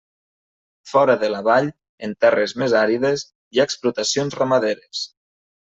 Fora de la vall, en terres més àrides, hi ha explotacions ramaderes.